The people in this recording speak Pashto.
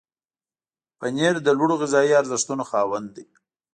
پنېر د لوړو غذایي ارزښتونو خاوند دی.